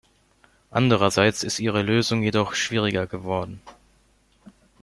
Andererseits ist ihre Lösung jedoch schwieriger geworden.